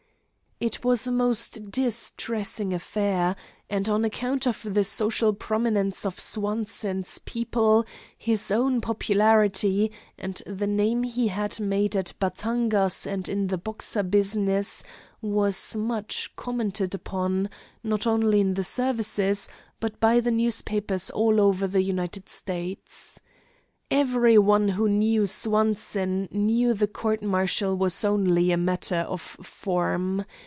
It was a most distressing affair, and, on account of the social prominence of Swanson's people, his own popularity, and the name he had made at Batangas and in the Boxer business, was much commented upon, not only in the services, but by the newspapers all over the United States. Every one who knew Swanson knew the court martial was only a matter of form.